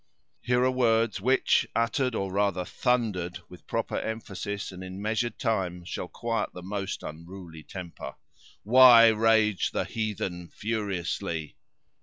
Here are words which, uttered, or rather thundered, with proper emphasis, and in measured time, shall quiet the most unruly temper: "'Why rage the heathen furiously'?"